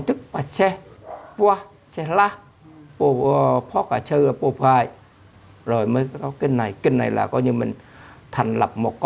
chức và xe qua xe lá của phố cả sơ của ai rồi mới có kênh này kênh này là coi như mình thành lập một